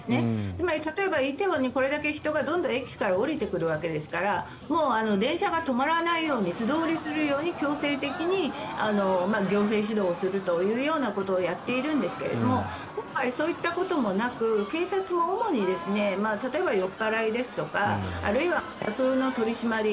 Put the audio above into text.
つまり例えば梨泰院にこれだけ人がどんどん駅に降りてくるわけですからもう電車が止まらないように素通りするように強制的に行政指導をするということをやっているんですけど今回、そういったこともなく警察も主に例えば酔っ払いですとかあるいは取り締まり。